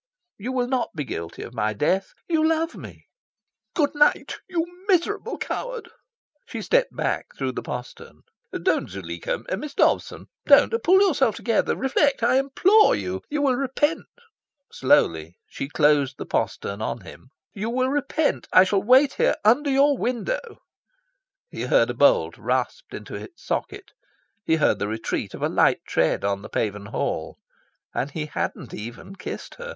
"You will not be guilty of my death. You love me." "Good night, you miserable coward." She stepped back through the postern. "Don't, Zuleika! Miss Dobson, don't! Pull yourself together! Reflect! I implore you... You will repent..." Slowly she closed the postern on him. "You will repent. I shall wait here, under your window..." He heard a bolt rasped into its socket. He heard the retreat of a light tread on the paven hall. And he hadn't even kissed her!